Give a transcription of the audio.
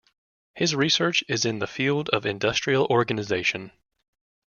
His research is in the field of Industrial Organization.